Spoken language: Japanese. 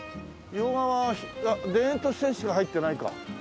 用賀は田園都市線しか入ってないか。